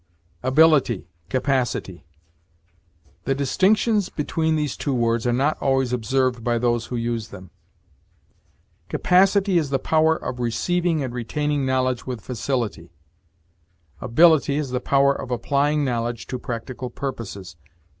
ABILITY CAPACITY. The distinctions between these two words are not always observed by those who use them. "Capacity is the power of receiving and retaining knowledge with facility; ability is the power of applying knowledge to practical purposes.